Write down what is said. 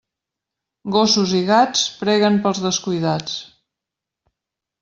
Gossos i gats preguen pels descuidats.